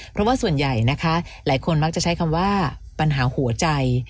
เพราะว่าส่วนใหญ่นะคะหลายคนมักจะใช้คำว่าปัญหาหัวใจ